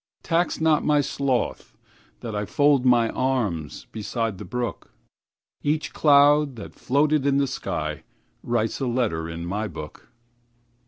Tax not my sloth that IFold my arms beside the brook; Each cloud that floated in the skyWrites a letter in my book.